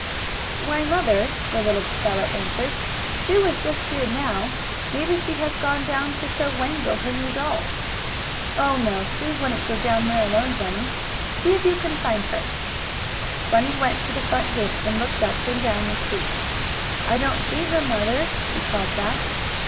"Why, Mother," the little fellow answered, "Sue was here just now. Maybe she has gone down to show Wango her new doll." "Oh, no, Sue wouldn't go down there alone, Bunny. See if you can find her." Bunny went to the front gate and looked up and down the street. "I don't see her, Mother," he called back.